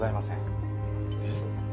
えっ？